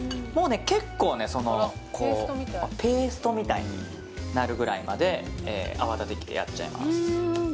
結構、ペーストみたいになるぐらいまで泡立て器でやっちゃいます。